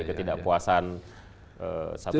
ketidakpuasan satu pihak